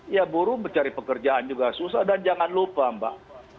ya buruh mencari pekerjaan juga susah dan jangan lupa mbak